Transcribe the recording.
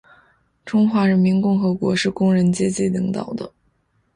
中华人民共和国是工人阶级领导的